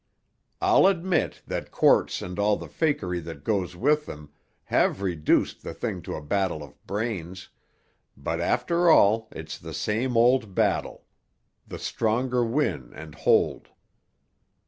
"I'll admit that courts and all the fakery that goes with them have reduced the thing to a battle of brains, but after all it's the same old battle; the stronger win and hold.